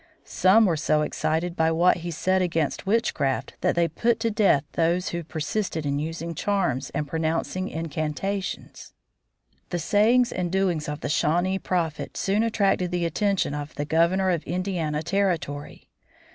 Some were so excited by what he said against witchcraft that they put to death those who persisted in using charms and pronouncing incantations. [Illustration: ECLIPSE OF THE SUN] The sayings and doings of the Shawnee Prophet soon attracted the attention of the Governor of Indiana Territory.